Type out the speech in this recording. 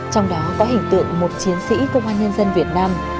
trong đó có hình tượng một chiến sĩ công an nhân dân việt nam